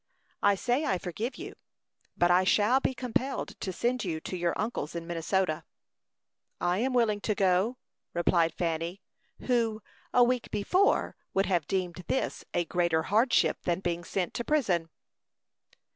I say I forgive you, but I shall be compelled to send you to your uncle's in Minnesota." "I am willing to go," replied Fanny, who, a week before, would have deemed this a greater hardship than being sent to prison.